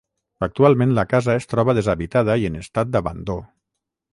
Actualment, la casa es troba deshabitada i en estat d'abandó.